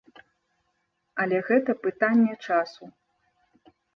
Але гэта пытанне часу.